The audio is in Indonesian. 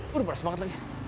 waduh beres banget lagi